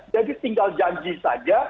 jadi tinggal janji saja